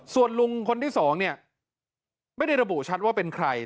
ส่วนลุงคนที่สองเนี่ยไม่ได้ระบุชัดว่าเป็นใคร